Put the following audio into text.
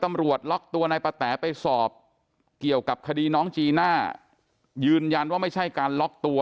ตำรวจล็อกตัวนายปะแต๋ไปสอบเกี่ยวกับคดีน้องจีน่ายืนยันว่าไม่ใช่การล็อกตัว